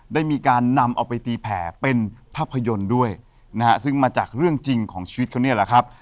ได้มีการนำเอาไปตีแผ่เป็นภาพยนตร์ด้วยนะฮะซึ่งมาจากเรื่องจริงของชีวิตเขาเนี่ยแหละครับ